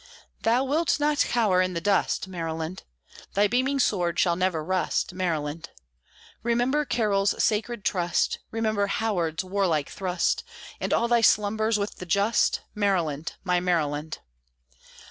Thou wilt not cower in the dust, Maryland! Thy beaming sword shall never rust, Maryland! Remember Carroll's sacred trust, Remember Howard's warlike thrust, And all thy slumberers with the just, Maryland, my Maryland!